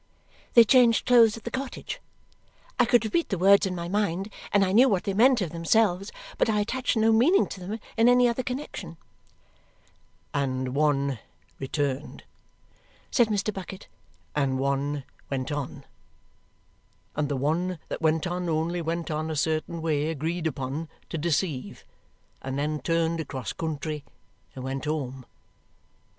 They changed clothes at the cottage. I could repeat the words in my mind, and I knew what they meant of themselves, but I attached no meaning to them in any other connexion. "And one returned," said Mr. Bucket, "and one went on. And the one that went on only went on a certain way agreed upon to deceive and then turned across country and went home.